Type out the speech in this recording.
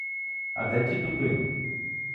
А де ті дуби?